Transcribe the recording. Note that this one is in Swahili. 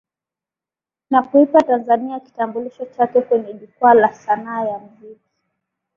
Na kuipa Tanzania kitambulisho chake kwenye jukwaa la sanaa ya muziki